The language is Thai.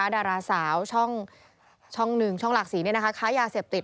ดาราสาวช่องหนึ่งช่องหลักศรีค้ายาเสพติด